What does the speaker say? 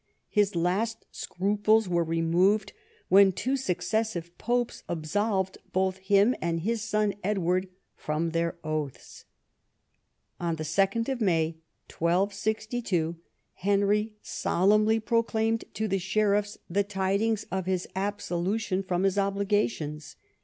His last scruples were removed when two successive popes absolved both him and his son Edward from their oaths. On 2nd May 1262 Henry solemnly proclaimed to the sheriffs the tidings of his absolution from his obligations.